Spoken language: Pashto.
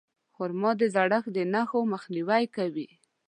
خرما د زړښت د نښو مخنیوی کوي.